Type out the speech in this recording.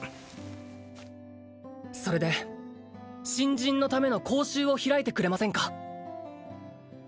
それで新人のための講習を開いてくれませんか？